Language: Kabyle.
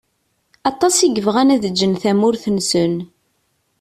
Aṭas i yebɣan ad ǧǧen tamurt-nsen.